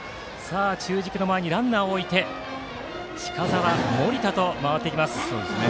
中軸の前にランナーを置いて近澤、森田と回っていきます。